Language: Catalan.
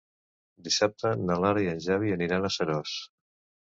Dissabte na Lara i en Xavi aniran a Seròs.